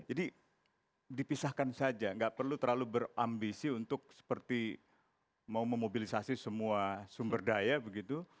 jadi dipisahkan saja gak perlu terlalu berambisi untuk seperti mau memobilisasi semua sumber daya begitu